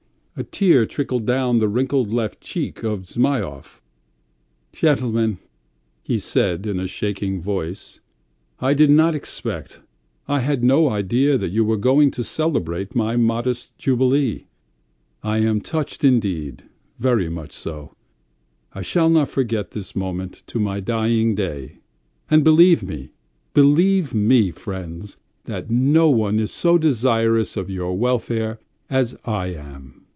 A tear trickled down the wrinkled left cheek of Zhmyhov. "Gentlemen!" he said in a shaking voice, "I did not expect, I had no idea that you were going to celebrate my modest jubilee. ... I am touched indeed ... very much so. ... I shall not forget this moment to my dying day, and believe me ... believe me, friends, that no one is so desirous of your welfare as I am